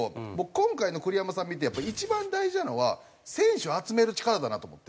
今回の栗山さん見てやっぱ一番大事なのは選手を集める力だなと思って。